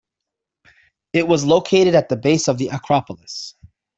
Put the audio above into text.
It was located at the base of the Acropolis.